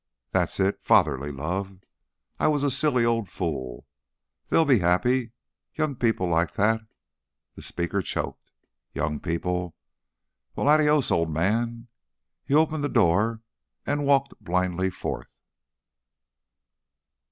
That's it, fatherly love. I was a silly old fool. They'll be happy. Young people like that " The speaker choked. "Young people Well, adios, old man!" He opened the door and walked blindly forth.